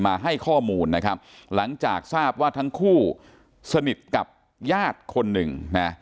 มาให้ข้อมูลนะครับหลังจากทราบว่าทั้งคู่สนิทกับญาติคนหนึ่งนะ